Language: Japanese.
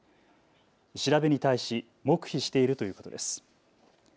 調べに対し黙秘しているということです。